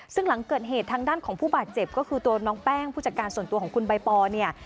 ซึ่งหลังเกิดเหตุทางด้านของผู้บาดเจ็บก็คือตัวน้องแป้งผู้จัดการส่วนตัวของคุณใบปอเนี่ย